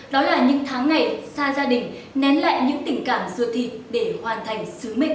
đó là những tháng ngày xa gia đình nén lại những tình cảm dưa thịt để hoàn thành sứ mệnh